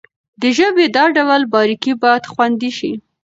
د ژبې دا ډول باريکۍ بايد خوندي شي.